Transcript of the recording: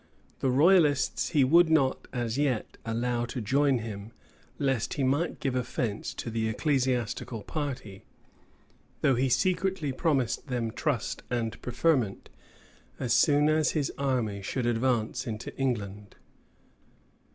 The royalists he would not as yet allow to join him, lest he might give offence to the ecclesiastical party; though he secretly promised them trust and preferment as soon as his army should advance into England.